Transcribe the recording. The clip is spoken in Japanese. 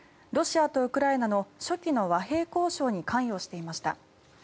ロシアとウクライナの初期の和平交渉に関与していました。